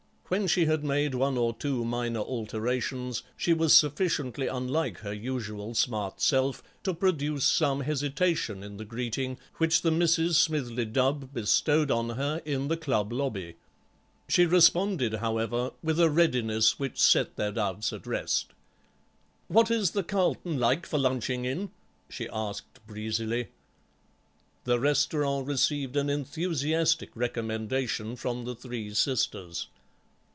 When she had made one or two minor alterations she was sufficiently unlike her usual smart self to produce some hesitation in the greeting which the Misses Smithly Dubb bestowed on her in the club lobby. She responded, however, with a readiness which set their doubts at rest. "What is the Carlton like for lunching in?" she asked breezily. The restaurant received an enthusiastic recommendation from the three sisters.